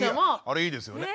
あれいいですよね。